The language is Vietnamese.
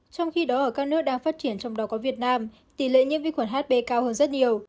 trong khi đó ở các nước đang phát triển trong đó có việt nam tỷ lệ nhiễm vi khuẩn hb cao hơn rất nhiều